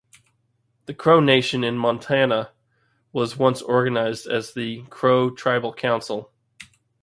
The Crow Nation in Montana was once organized as the Crow Tribal Council.